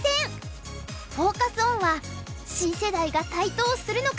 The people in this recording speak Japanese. フォーカス・オンは新世代が台頭するのか！？